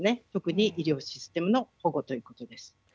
特に医療システムの保護ということです。